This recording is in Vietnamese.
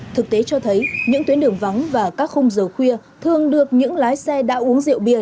thực tế cho thấy những tuyến đường vắng và các khung giờ khuya thường được những lái xe đã uống rượu bia